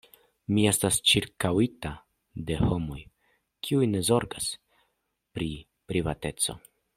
Mi estas ĉirkaŭita de homoj, kiuj ne zorgas pri privateco.